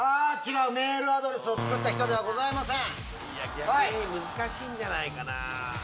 逆に難しいんじゃないかな。